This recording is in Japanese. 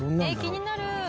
気になる。